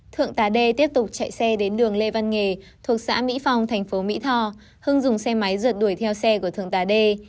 thượng tá đê tiếp tục chạy xe đến đường lê văn nghề thuộc xã mỹ phong thành phố mỹ tho hưng dùng xe máy rượt đuổi theo xe của thượng tá đê